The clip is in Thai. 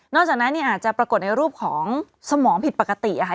จากนั้นเนี่ยอาจจะปรากฏในรูปของสมองผิดปกติค่ะ